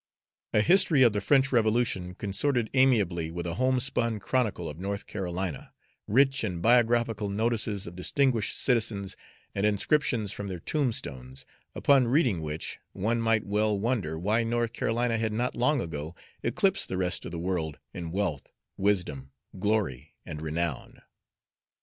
A history of the French Revolution consorted amiably with a homespun chronicle of North Carolina, rich in biographical notices of distinguished citizens and inscriptions from their tombstones, upon reading which one might well wonder why North Carolina had not long ago eclipsed the rest of the world in wealth, wisdom, glory, and renown.